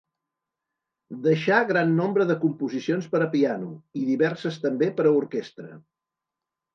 Deixà gran nombre de composicions per a piano i diverses també per a orquestra.